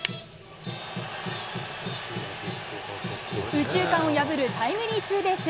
右中間を破るタイムリーツーベース。